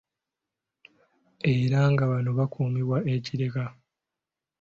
Era nga bano bakuumibwa e Kireka.